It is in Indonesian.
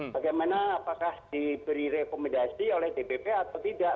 bagaimana apakah diberi rekomendasi oleh dpp atau tidak